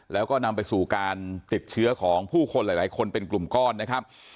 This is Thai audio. แล้วก็นำไปสู่การติดเชื้อของผู้คนหลายคนเป็นกลุ่มก้อนนะครับ